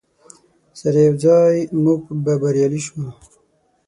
سره یوځای موږ به بریالي شو.